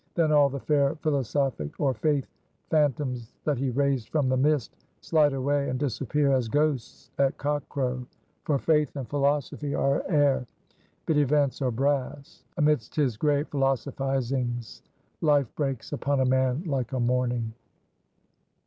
Then all the fair philosophic or Faith phantoms that he raised from the mist, slide away and disappear as ghosts at cock crow. For Faith and philosophy are air, but events are brass. Amidst his gray philosophizings, Life breaks upon a man like a morning.